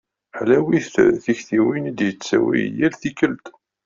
Ḥlawit tiktiwin i d-yettawi yal tikkelt.